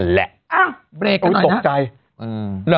นั่นแหละอ้าวบเรกอุ๊ยสงใจอืมหรอ